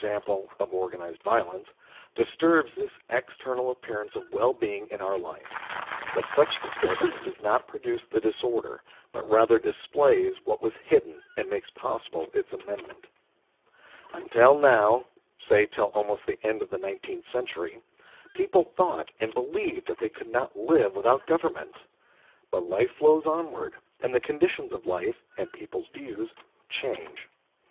e. of organised violence, disturbs this external appearance of well being in our life, but such disturbance does not pro duce the disorder, but rather displays what was hidden and makes possible its amendment. Until now, say till almost the end of the nineteenth century, people thought and believed that they could not live without Governments. But life flows onward, and the conditions of life, and people's views, change.